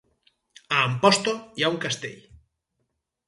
A Amposta hi ha un castell